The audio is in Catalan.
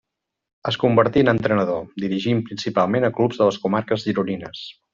Es convertí en entrenador, dirigint principalment a club de les comarques gironines.